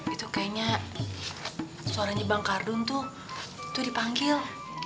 itu kayaknya suaranya bang kardun tuh dipanggil